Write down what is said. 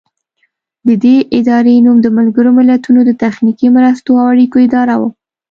د دې ادارې نوم د ملګرو ملتونو د تخنیکي مرستو او اړیکو اداره و.